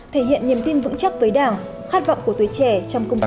thể hiện niềm tin vững chắc với đảng khát vọng của tuổi trẻ trong công tác